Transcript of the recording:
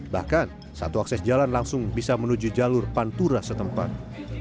bahkan satu akses jalan langsung bisa menuju jalur pantura setempat